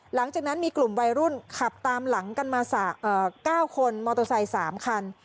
หลังจากนั้นมีกลุ่มวัยรุ่นขับตามหลังกันมา๙คนมอเตอร์ไซค์๓คัน